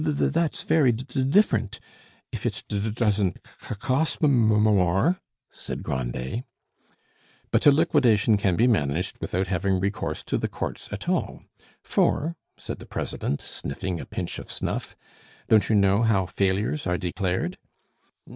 "T t that's very d d different, if it d d doesn't c c cost m m more," said Grandet. "But a liquidation can be managed without having recourse to the courts at all. For," said the president, sniffing a pinch of snuff, "don't you know how failures are declared?"